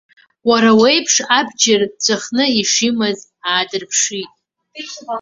Уара уеиԥш абџьар ҵәахны ишимаз аадырԥшит.